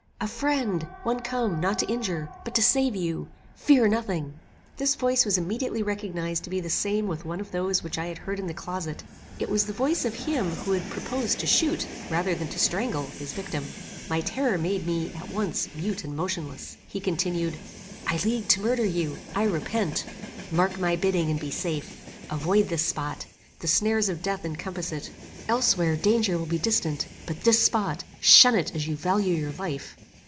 "A friend; one come, not to injure, but to save you; fear nothing." This voice was immediately recognized to be the same with one of those which I had heard in the closet; it was the voice of him who had proposed to shoot, rather than to strangle, his victim. My terror made me, at once, mute and motionless. He continued, "I leagued to murder you. I repent. Mark my bidding, and be safe. Avoid this spot. The snares of death encompass it. Elsewhere danger will be distant; but this spot, shun it as you value your life.